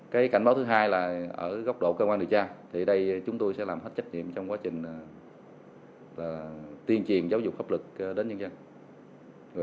cái cảnh báo thứ hai là ở góc độ cơ quan điều tra thì đây chúng tôi sẽ làm hết trách nhiệm trong quá trình tuyên truyền giáo dục pháp lực đến nhân dân